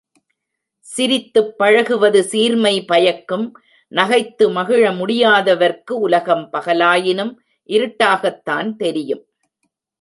சிரித்துப் பழகுவது சீர்மை பயக்கும் நகைத்து மகிழ முடியாதவர்க்கு உலகம் பகலாயினும் இருட்டாகத்தான் தெரியும்.